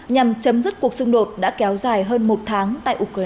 nhằm chấm dứt cuộc xung đột đã kéo dài hơn một tháng tại ukraine